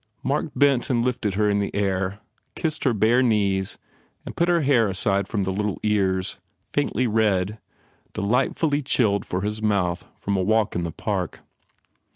Mark bent and lifted her in the air, kissed her bare knees and put her hair aside from the little ears, faintly red, delightfully chilled for his mouth from a walk in the Park.